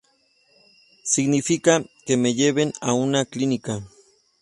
Significa 'que me lleven a una clínica'".